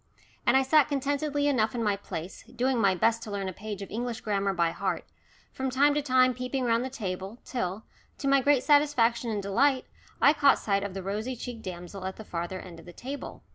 And I sat contentedly enough in my place, doing my best to learn a page of English grammar by heart, from time to time peeping round the table, till, to my great satisfaction and delight, I caught sight of the rosy cheeked damsel at the farther end of the table.